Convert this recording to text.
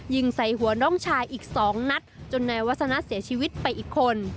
ยิงใส่หัวน้องชายอีก๒นัดจนนายวัฒนะเสียชีวิตไปอีกคน